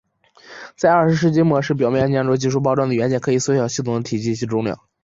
在二十世纪末时表面黏着技术包装的元件可以缩小系统的体积及重量。